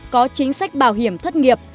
hai có chính sách bảo hiểm thất nghiệp